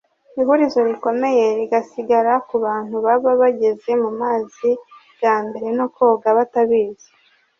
ihurizo rikomeye rigasigara ku bantu baba bageze mu mazi bwa mbere no koga batabizi